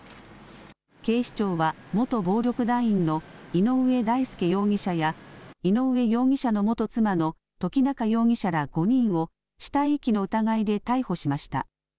警視庁は元暴力団員の井上大輔容疑者や井上容疑者の元妻の土岐菜夏容疑者ら５人を死体遺棄の疑いで逮捕しました。